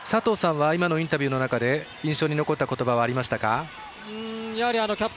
佐藤さんは今のインタビューの中で印象に残った言葉ありましたか。